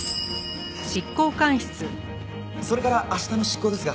それから明日の執行ですが。